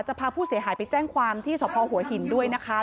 พาผู้เสียหายไปแจ้งความที่สพหัวหินด้วยนะคะ